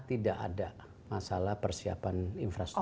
tidak ada masalah persiapan infrastruktur